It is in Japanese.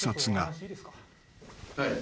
はい。